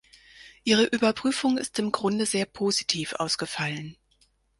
Ihre Überprüfung ist im Grunde sehr positiv ausgefallen.